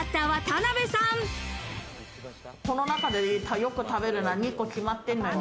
この中でよく食べるのが２個決まってんのよ。